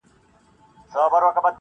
o نقادان پرې اوږد بحث کوي ډېر,